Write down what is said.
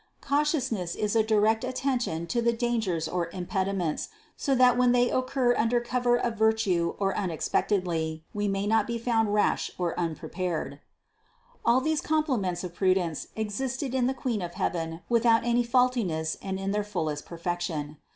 Cautiousness is a discreet attention to the dan gers or impediments, so that when they occur under cover of virtue or unexpectedly, we may not be found rash or unprepared. 542. All these complements of prudence existed in the Queen of heaven without any faultiness and in their full est perfection.